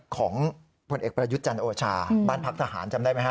ของผลเอกประยุทธ์จันทร์โอชาบ้านพักทหารจำได้ไหมฮ